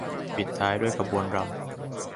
ปิดท้ายด้วยขบวนรำ